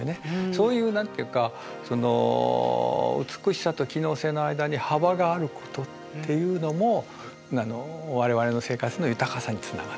そういう何て言うかその美しさと機能性の間に幅があることっていうのも我々の生活の豊かさにつながっていくっていうことだと思います。